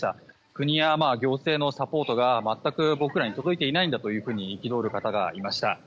国や行政のサポートが全く僕らに届いていないんだというふうに憤る方がいました。